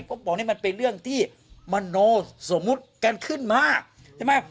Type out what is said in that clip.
ผมบอกนี่มันเป็นเรื่องที่มโนสมมุติกันขึ้นมาใช่ไหม